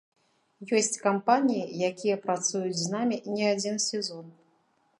Ёсць кампаніі, якія працуюць з намі не адзін сезон.